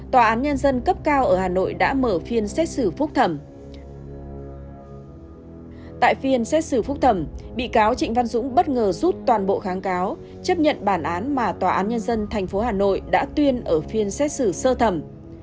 tại phiên xét xử phúc thẩm bị cáo trịnh văn dũng bất ngờ rút toàn bộ kháng cáo chấp nhận bản án mà tòa án nhân dân tp hà nội đã tuyên ở phiên xét xử sơ thẩm